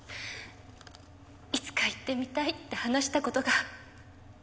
いつか行ってみたいって話した事が。